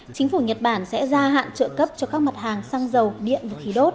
chính phủ nhật bản sẽ gia hạn trợ cấp cho các mặt hàng xăng dầu điện và khí đốt